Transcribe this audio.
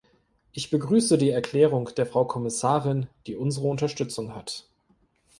Ich begrüße die Erklärung der Frau Kommissarin, die unsere Unterstützung hat.